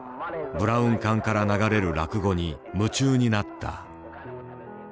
ブラウン管から流れる落語に夢中になった。